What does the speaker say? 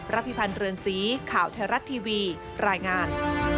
พิพันธ์เรือนสีข่าวไทยรัฐทีวีรายงาน